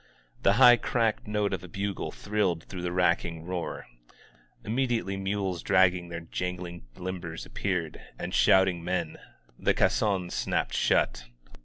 The hij^ cracked note of a bogle thrilled throo^ the racking roar. Immediately nraks dragging their jan^ng limbers appeared, and shooting men. Hie caissons snapped shut.